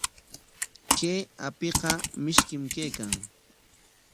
Kay apiqa mishkim kaykan.